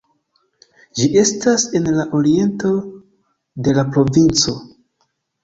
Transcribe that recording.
Ĝi estas en la oriento de la provinco.